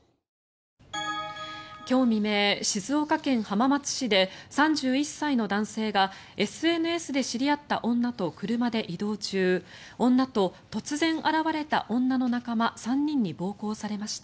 今日未明、静岡県浜松市で３１歳の男性がＳＮＳで知り合った女と車で移動中女と突然現れた女の仲間３人に暴行されました。